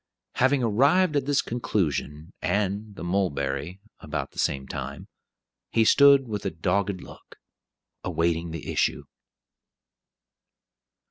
Having arrived at this conclusion and the "mulberry" about the same time, he stood with a dogged look, awaiting the issue.